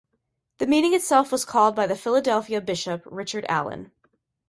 The meeting itself was called by the Philadelphia bishop Richard Allen.